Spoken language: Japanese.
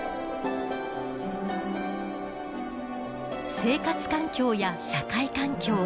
生活環境や社会環境